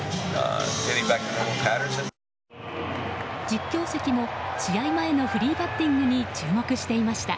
実況席も試合前のフリーバッティングに注目していました。